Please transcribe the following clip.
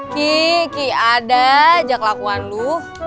ki ki ada ajak lakuan lu